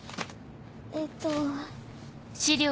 えっと。